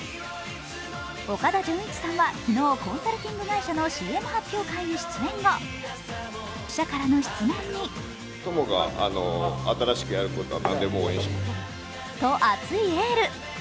岡田准一さんは昨日コンサルティング会社のＣＭ発表会に出演後記者からの質問にと熱いエール。